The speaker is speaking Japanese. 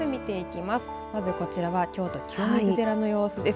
まずこちらは京都清水寺の様子です。